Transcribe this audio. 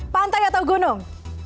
pantai atau gunung